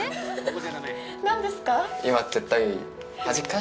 何ですか？